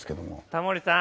タモリさん。